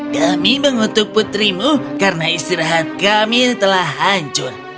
kami mengutuk putrimu karena istirahat kami telah hancur